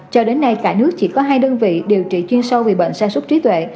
cho đến nay cả nước chỉ có hai đơn vị điều trị chuyên sâu về bệnh san súc trí tuệ